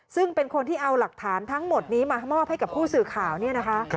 ซึ่งเป็นคนที่เอาหลักฐานทั้งหมดนี้มามอบให้กับผู้สื่อข่าวเนี่ยนะคะ